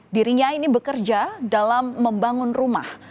dirinya ini bekerja dalam membangun rumah